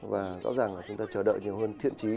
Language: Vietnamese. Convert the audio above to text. và rõ ràng là chúng ta chờ đợi nhiều hơn thiện trí